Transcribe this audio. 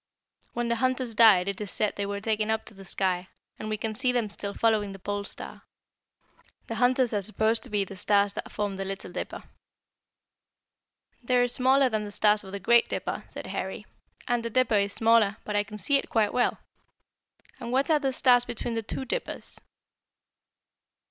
"When the hunters died it is said they were taken up to the sky, and we can see them still following the Pole Star. The hunters are supposed to be the stars that form the Little Dipper." "They are smaller than the stars of the Great Dipper," said Harry, "and the dipper is smaller, but I can see it quite well. And what are the stars between the two Dippers?"